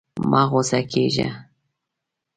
مه غوسه کېږه.